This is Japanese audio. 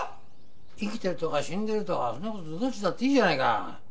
生きてるとか死んでるとかそんな事どっちだっていいじゃないか。